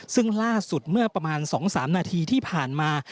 ซึ่งล่าสุดเมื่อประมาณ๒๓นาทีที่ผ่านมา